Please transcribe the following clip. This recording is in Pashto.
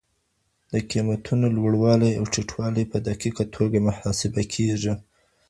د قيمتونو لوړوالی او ټيټوالی په دقيقه توګه محاسبه کېږي.